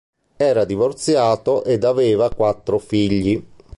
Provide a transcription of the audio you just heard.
Era divorziato ed aveva quattro figli.